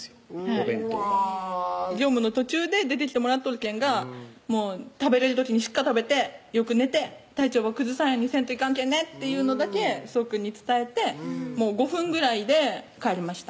お弁当ば業務の途中で出てきてもらっとるけんが「食べれる時にしっかり食べてよく寝て体調ば崩さんようにせんといかんけんね」っていうのだけそうくんに伝えてもう５分ぐらいで帰りました